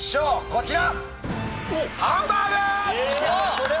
こちら！